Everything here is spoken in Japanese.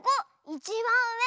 いちばんうえ。